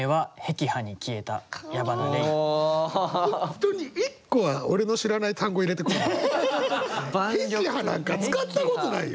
本当に１個は俺の知らない単語を入れてくる。